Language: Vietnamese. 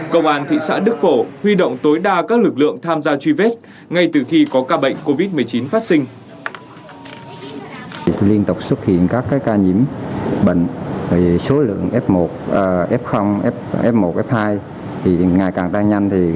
công an thị xã đức phổ huy động tối đa các lực lượng tham gia truy vết ngay từ khi có ca bệnh covid một mươi chín phát sinh